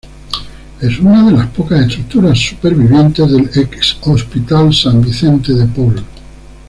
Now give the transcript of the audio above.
Es una de las pocas estructuras sobrevivientes del ex Hospital San Vicente de Paul.